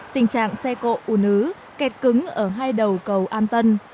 tình trạng xe cộ ùn ứ kẹt cứng ở hai đầu cầu an tân